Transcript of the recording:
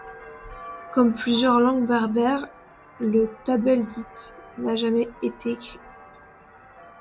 Comme plusieurs langues berbères, le tabeldite n'a jamais été écrit.